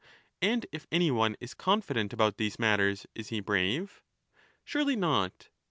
And if any one is confident about these matters, is he brave ? Surely not